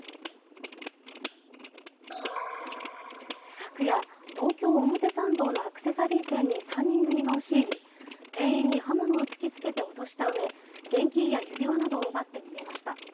昨夜、東京・表参道のアクセサリー店に３人組が押し入り、店員に刃物を突きつけて脅したうえ、現金や指輪などを奪って逃げました。